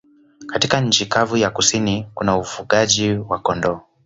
Katika nchi kavu ya kusini kuna ufugaji wa kondoo.